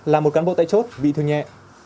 là một cán bộ tại chốt bị thương nhẹ